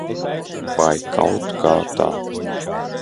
Vai kaut kā tā.